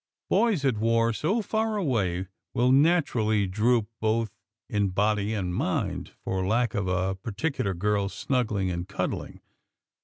Boys, at war, so far away, will naturally droop, both in body and mind, from lack of a particular girl's snuggling and cuddling.